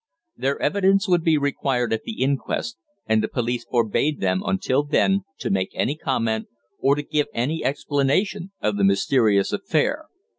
Their evidence would be required at the inquest, and the police forbade them, until then, to make any comment, or to give any explanation of the mysterious affair.